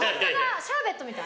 シャーベットみたい。